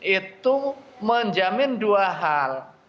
itu menjamin dua hal